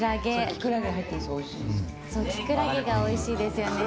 キクラゲがおいしいですよね。